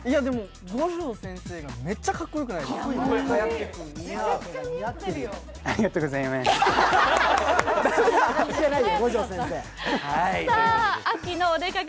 五条先生がめっちゃかっこよくないですか？